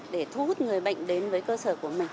để thu hút người bệnh đến với cơ sở của mình